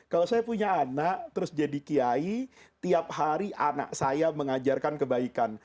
kalau saya punya anak terus jadi kiai tiap hari anak saya mengajarkan kebaikan